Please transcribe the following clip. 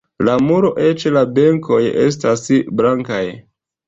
La muro, eĉ la benkoj estas blankaj.